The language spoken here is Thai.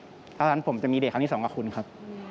ถ้าอย่างนั้นผมจะมีเดทครั้งนี้สองกับคุณครับ